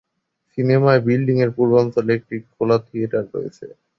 সিনেমায় বিল্ডিংয়ের পূর্বাঞ্চলে একটি খোলা থিয়েটার রয়েছে।